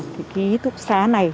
thì ký túc xá này